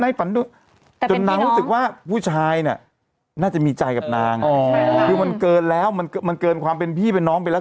ฝันด้วยจนนางรู้สึกว่าผู้ชายเนี่ยน่าจะมีใจกับนางคือมันเกินแล้วมันเกินความเป็นพี่เป็นน้องไปแล้ว